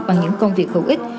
bằng những công việc hữu ích